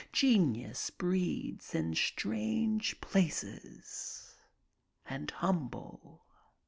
Genius breeds in strange places and humble.